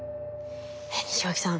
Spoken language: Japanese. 西脇さん